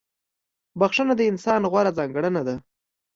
• بخښنه د انسان غوره ځانګړنه ده.